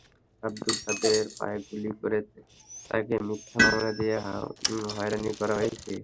আবদুল কাদেরের পায়ে গুলি করে তাঁকে মিথ্যা মামলা দিয়ে হয়রানি করা হয়েছে।